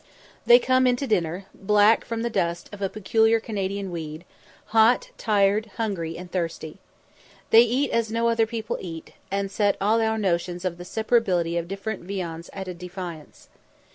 They come in to dinner, black (from the dust of a peculiar Canadian weed), hot, tired, hungry, and thirsty. They eat as no other people eat, and set all our notions of the separability of different viands at defiance.